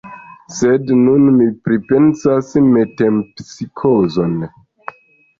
Sed nun mi pripensas metempsikozon.